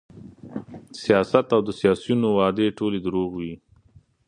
سیاست او د سیاسیونو وعدې ټولې دروغ وې